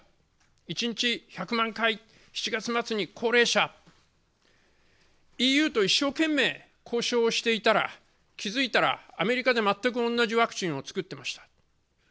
一日１００万回、７月末に高齢者、ＥＵと一生懸命、交渉していたら気付いたらアメリカで全く同じワクチンを作っていました。